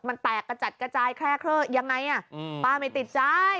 มันแปลกกระจัดกระจายแคร่อย่างไรป้าไม่ติดใจ